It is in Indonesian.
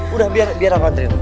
udah biar aku antarin